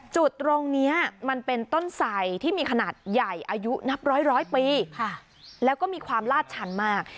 จุดตรงนี้มันเป็นต้นไสที่มีขนาดใหญ่อายุนับร้อยปีแล้วก็มีความลาดชันมาก